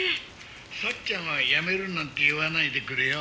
「さっちゃんはやめるなんて言わないでくれよ」